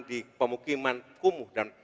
di pemukiman kumuh